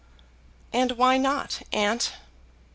"And why not, aunt?"